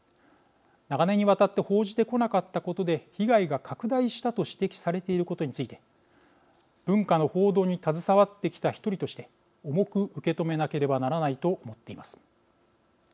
長年にわたって報じてこなかったことで被害が拡大したと指摘されていることについて文化の報道に携わってきた１人として重く受け止めなければならないと思っています。